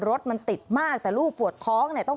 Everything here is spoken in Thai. รถมันติดมากแต่ลูกปวดท้อง